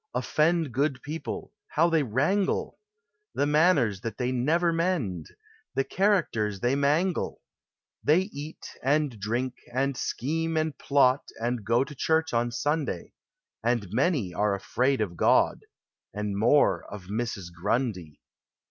Offend Good people — how they wrangle ! The manners that they never mend ! The characters they mangle I They eat, and drink, and scheme, and ploE And go to church on Sunday ; THOUGHT: POETRY: BOOKS. 349 And many are afraid of God — And more of Mrs. Grundy.